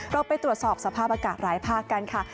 เราไปตรวจสอบสภาพอากาศหลายภาคกันค่ะ